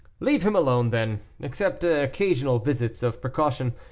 Leave him then alone, except occasional visits of precaution.